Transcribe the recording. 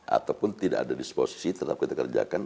ataupun tidak ada disposisi tetap kita kerjakan